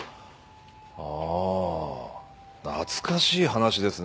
ああ懐かしい話ですねえ。